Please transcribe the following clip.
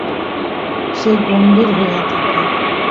সে গম্ভীর হইয়া থাকে।